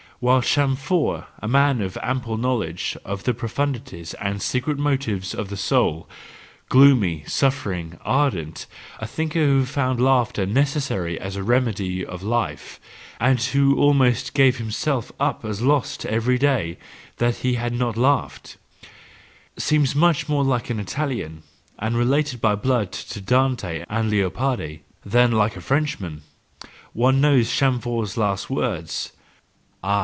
—while Chamfort, a man with ample knowledge of the profundities and secret motives of the soul, gloomy, suffering, ardent—a thinker who found laughter necessary as the remedy of life, and who almost gave himself up as lost every day that he had not laughed,— seems much more like an Italian, and related by blood to Dante and Leopardi, than like a French¬ man. One knows Chamfort's last words: "Ah!